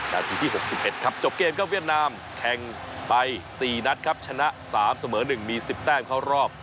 นาทีที่๖๑ครับจบเกมครับเวียดนามแข่งไป๔นัดครับชนะ๓เสมอ๑มี๑๐แต้มเข้ารอบ